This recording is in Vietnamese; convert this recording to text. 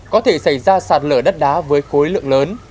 có thể xảy ra sạt lở đất đá với khối lượng lớn